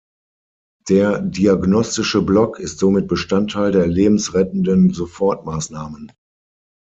Der diagnostische Block ist somit Bestandteil der lebensrettenden Sofortmaßnahmen.